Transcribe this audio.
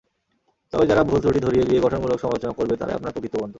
তবে যাঁরা ভুলত্রুটি ধরিয়ে দিয়ে গঠনমূলক সমালোচনা করবে, তাঁরাই আপনার প্রকৃত বন্ধু।